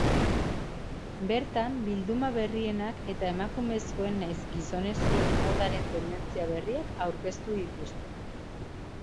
Bertan, bilduma berrienak eta emakumezkoen nahiz gizonezkoen modaren tendentzia berriak aurkeztu dituzte.